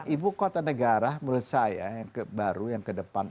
ibu kota negara menurut saya yang baru yang kedepan